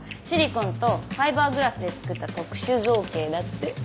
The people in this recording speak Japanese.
シリコンとファイバーグラスで作った特殊造形だって